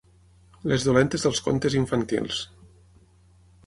Les dolentes dels contes infantils.